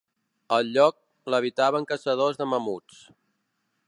El lloc, l'habitaven caçadors de mamuts.